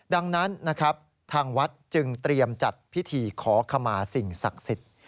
ดังนั้นนะครับทางวัดจึงเตรียมจัดพิธีขอขมาสิ่งศักดิ์สิทธิ์